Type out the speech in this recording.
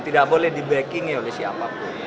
tidak boleh di backing oleh siapapun